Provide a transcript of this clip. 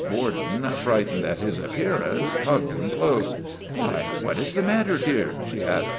Borden, frightened at his appearance, hugged him close. "Why, what is the matter, dear?' she asked.